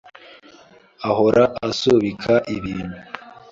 ahora asubika ibintu.